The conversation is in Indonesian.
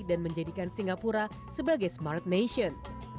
dan menjadikan singapura sebagai smart nation